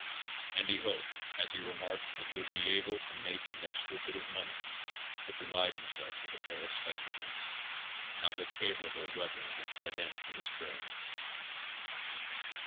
And he hoped, as he remarked, that he would be able to make an extra bit of money to provide himself with a pair of spectacles, now that favorable weather had set in for his trade.